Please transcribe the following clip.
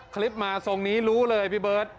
คลิปมาทรงนี้รู้เลยพี่เบิร์ต